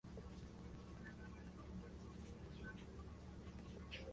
Califica un cuerno cuyo cordón es de color diferente a aquel del cuerpo.